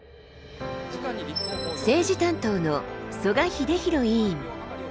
政治担当の曽我英弘委員。